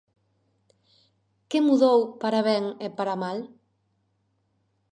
Que mudou para ben e para mal?